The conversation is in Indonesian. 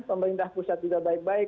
pemerintah pusat juga baik baik